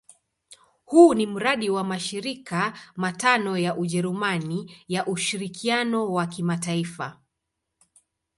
Huu ni mradi wa mashirika matano ya Ujerumani ya ushirikiano wa kimataifa.